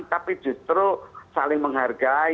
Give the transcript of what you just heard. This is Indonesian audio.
tapi justru saling menghargai